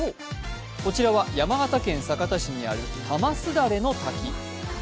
こちらは山形県酒田市にある玉簾の滝。